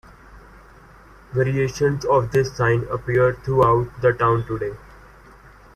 Variations of this sign appear throughout the town today.